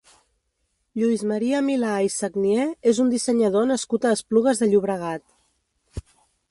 Lluís Maria Milà i Sagnier és un dissenyador nascut a Esplugues de Llobregat.